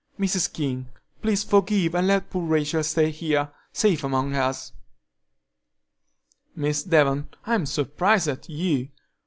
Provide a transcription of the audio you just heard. Mrs. King, please forgive and let poor Rachel stay here, safe among us." "Miss Devon, I'm surprised at you!